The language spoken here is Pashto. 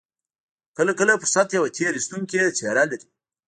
کله کله فرصت يوه تېر ايستونکې څېره لري.